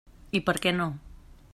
I per què no?